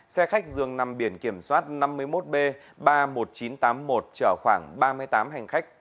xe khách dường nằm biển kiểm soát năm mươi một b ba mươi một nghìn chín trăm tám mươi một chở khoảng ba mươi tám hành khách